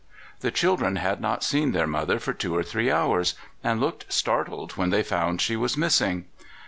The children had not seen their mother for two or three hours, and looked startled when they found she was missing.